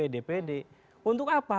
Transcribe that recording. dpw untuk apa